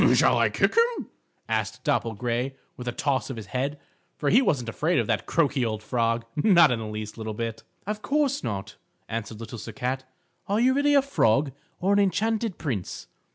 "Shall I kick him?" asked Dapple Gray with a toss of his head, for he wasn't afraid of that croaky old frog, not the least little bit. "Of course not," answered Little Sir Cat. "Are you really a frog, or an enchanted prince?"